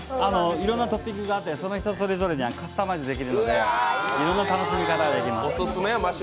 いろんなトッピングがあって、その人それぞれにカスタマイズができるので、いろいろ楽しみ方ができます。